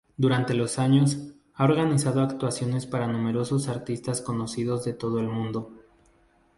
Durante los años, ha organizado actuaciones para numerosos artistas conocidos de todo el mundo.